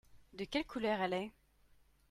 De quelle couleur elle est ?